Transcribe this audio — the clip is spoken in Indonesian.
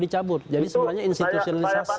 dicabut jadi sebenarnya institusionalisasi